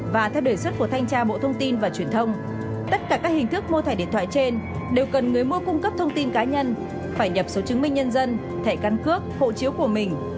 và theo đề xuất của thanh tra bộ thông tin và truyền thông tất cả các hình thức mua thẻ điện thoại trên đều cần người mua cung cấp thông tin cá nhân phải nhập số chứng minh nhân dân thẻ căn cước hộ chiếu của mình